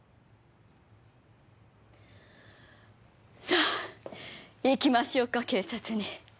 さあ行きましょうか警察に。